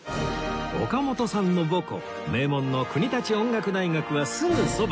岡本さんの母校名門の国立音楽大学はすぐそば